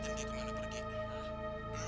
lo terus ikutin dia kemana pergi